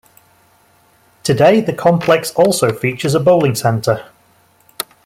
Today, the complex also features a bowling centre.